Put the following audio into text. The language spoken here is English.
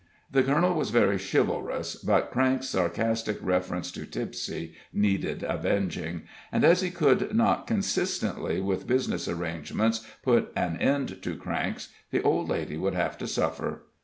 The colonel was very chivalrous, but Cranks's sarcastic reference to Tipsie needed avenging, and as he could not consistently with business arrangements put an end to Cranks, the old lady would have to suffer.